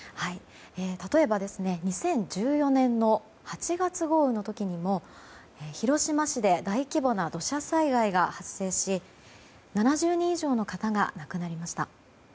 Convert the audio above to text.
例えば、２０１４年の８月豪雨の時にも広島市で大規模な土砂災害が発生し７０人以上の方が亡くなりました。